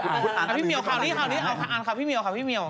น่าอ่านค่ะพี่เมียวค่ะพี่เมียว